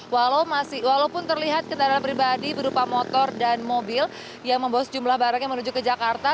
walaupun terlihat kendaraan pribadi berupa motor dan mobil yang membawa sejumlah barang yang menuju ke jakarta